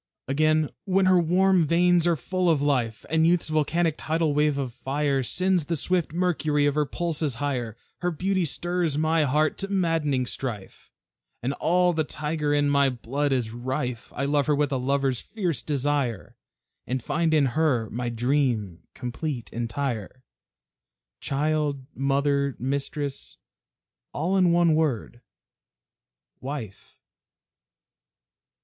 Again, when her warm veins are full of life, And youth's volcanic tidal wave of fire Sends the swift mercury of her pulses higher, Her beauty stirs my heart to maddening strife, And all the tiger in my blood is rife; I love her with a lover's fierce desire, And find in her my dream, complete, entire, Child, Mother, Mistress all in one word Wife.